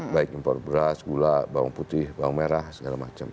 baik impor beras gula bawang putih bawang merah segala macam